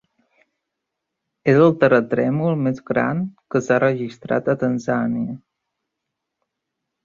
És el terratrèmol més gran que s'ha registrat a Tanzània.